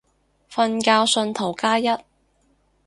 瞓覺信徒加一